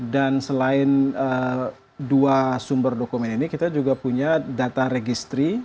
dan selain dua sumber dokumen ini kita juga punya data registry